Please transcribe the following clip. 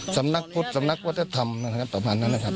สำนักพุทธสำนักวัฒนธรรมนะครับประมาณนั้นนะครับ